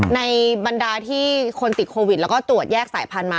บรรดาที่คนติดโควิดแล้วก็ตรวจแยกสายพันธุ์มา